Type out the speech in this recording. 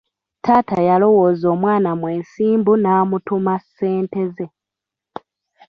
Taata yalowooza omwana mwesimbu n'amutuma ssente ze.